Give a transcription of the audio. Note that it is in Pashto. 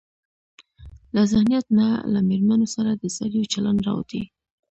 له ذهنيت نه له مېرمنو سره د سړيو چلن راوتى.